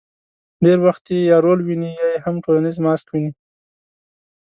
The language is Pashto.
ډېر وخت یې یا رول ویني، یا یې هم ټولنیز ماسک ویني.